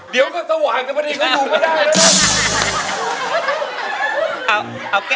เดี๋ยวสว่างก็อยู่ไม่ได้ละ